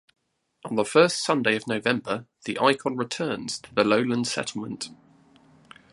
On the first Sunday of November the icon returns to the lowland settlement.